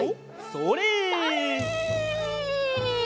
それ！